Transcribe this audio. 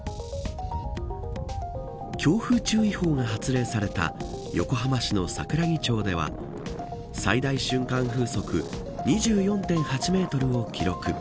強風注意報が発令された横浜市の桜木町では最大瞬間風速２４．８メートルを記録。